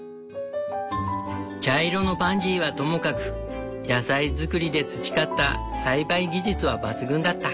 茶色のパンジーはともかく野菜作りで培った栽培技術は抜群だった。